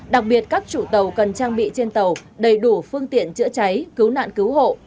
đặc biệt các chủ tàu cần trang bị trên tàu đầy đủ phương tiện chữa cháy cứu nạn cứu hộ